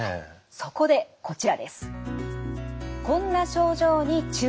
そこでこちらです。